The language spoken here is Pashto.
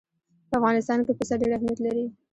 په افغانستان کې پسه ډېر اهمیت لري.